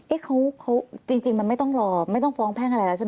จริงมันไม่ต้องรอไม่ต้องฟ้องแพ่งอะไรแล้วใช่ไหม